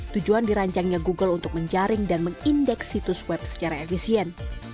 tujuan dirancangnya google untuk menjaring dan mengideks situs web secara efisien